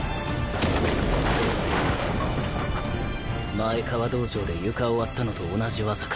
前川道場で床を割ったのと同じ技か。